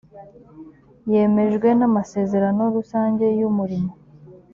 yemejwe n ‘amasezerano rusange y ‘umurimo